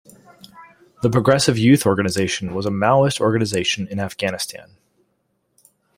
The Progressive Youth Organization was a Maoist organization in Afghanistan.